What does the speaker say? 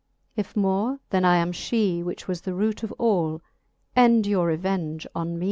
If more, then I am fhee. Which was the roote of all ; end your revenge on mee.